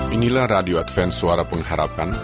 inilah radio advance suara pengharapan